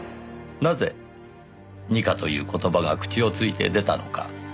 なぜ二課という言葉が口をついて出たのか。